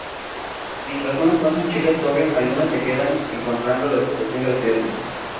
Mientras unas cuantas chicas corren, algunas se quedan, encontrando la situación graciosa.